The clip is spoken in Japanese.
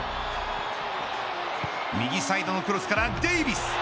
右サイドのクロスからデイヴィス。